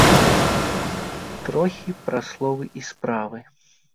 Трохі пра словы і справы.